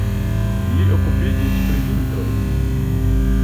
Li okupiĝis pri vitroj.